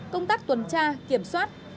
công tác tuần tra kiểm soát